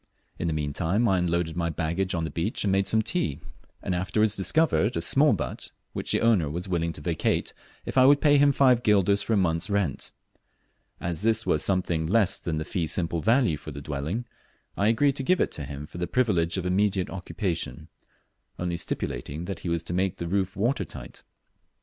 In the meantime I unloaded my baggage on the beach and made some tea, and afterwards discovered a small but which the owner was willing to vacate if I would pay him five guilders for a month's rent. As this was something less than the fee simple value of the dwelling, I agreed to give it him for the privilege of immediate occupation, only stipulating that he was to make the roof water tight.